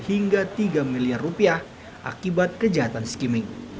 hingga tiga miliar rupiah akibat kejahatan skimming